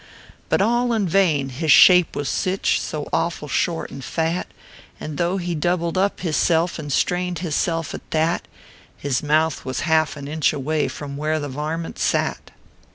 But all in vain ; his shape was sich, So awful short and fat And though he doubled up hissel And strained hisself at that, His mouth was half an inch away From where the varmint sat.